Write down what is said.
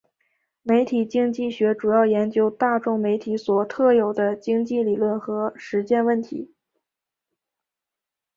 媒体经济学主要研究大众媒体所特有的经济理论和实践问题。